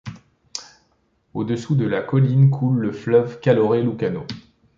Au-dessous de la colline coule le fleuve Calore Lucano.